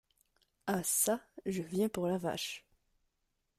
Ah çà ! je viens pour la vache…